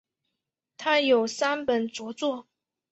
他有三本着作。